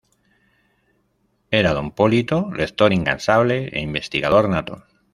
Era don Polito lector incansable e investigador nato.